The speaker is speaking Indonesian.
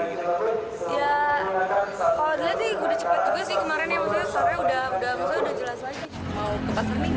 ya kalau dilihat sih udah cepat juga sih kemarin ya maksudnya sudah jelas lagi